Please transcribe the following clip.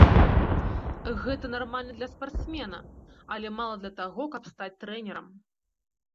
Гэта нармальна для спартсмена, але мала для таго, каб стаць трэнерам.